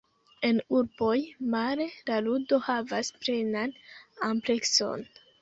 En urboj, male, la ludo havas plenan amplekson.